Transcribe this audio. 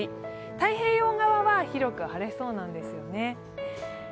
太平洋側は広く晴れうそなんですよね。